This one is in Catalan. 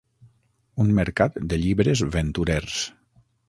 Un mercat de llibres venturers.